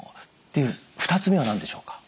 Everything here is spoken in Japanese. ２つ目は何でしょうか？